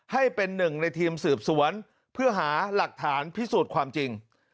ให้เป็นหนึ่งในทีมสืบสวนเพื่อหาหลักฐานพิสูจน์ความจริง